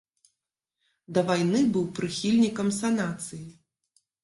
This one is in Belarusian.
Да вайны быў прыхільнікам санацыі.